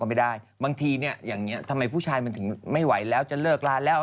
ไม่ไม่ไม่สงสัยอย่างนี้ทำไมผู้ชายที่ถึงไม่ไหวแล้วจะเลิกลาแล้วค่ะ